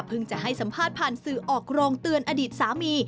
จะให้สัมภาษณ์ผ่านสื่อออกโรงเตือนอดีตสามี